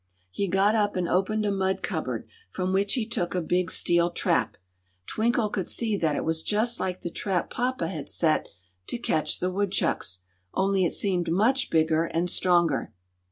He got up and opened a mud cupboard, from which he took a big steel trap. Twinkle could see that it was just like the trap papa had set to catch the woodchucks, only it seemed much bigger and stronger.